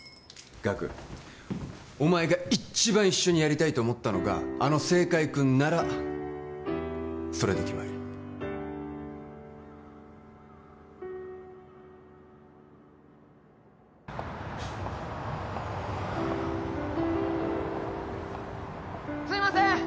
ガクお前が一番一緒にやりたいと思ったのがあの正解君ならそれで決まりすいません